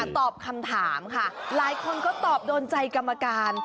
ตอบคำถามค่ะหลายคนก็ตอบโดนใจกรรมการ